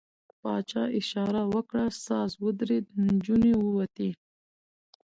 پاچا اشاره وکړه، ساز ودرېد، نجونې ووتې.